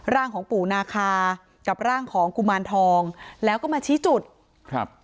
ร่างของปู่นาคากับร่างของกุมารทองแล้วก็มาชี้จุดครับ